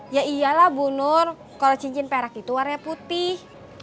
ya iyalah bu nur kalau cincin perak itu warnanya putih